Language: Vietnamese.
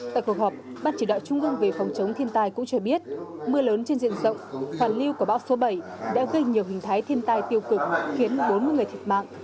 tại cuộc họp ban chỉ đạo trung ương về phòng chống thiên tai cũng cho biết mưa lớn trên diện rộng hoàn lưu của bão số bảy đã gây nhiều hình thái thiên tai tiêu cực khiến bốn mươi người thiệt mạng